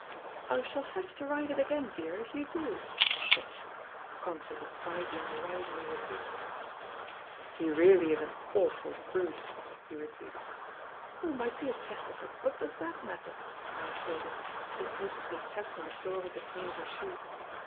"I shall have to write it again, dear, if you do," said she, conscious of bridling a rising irritation. "He really is an awful brute," he repeated. "Oh, my dear Chesterford, what does that matter?" asked Dodo, impatiently tapping the floor with the toe of her shoe.